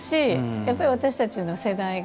やっぱり私たちの世代が